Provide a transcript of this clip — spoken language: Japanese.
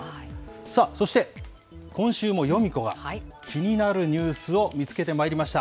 さあ、そして、今週もヨミ子が、気になるニュースを見つけてまいりました。